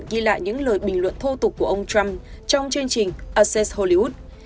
ghi lại những lời bình luận thô tục của ông trump trong chương trình ase hollywood